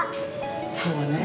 そうねえ。